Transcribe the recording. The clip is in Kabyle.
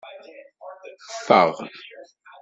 Faɣ.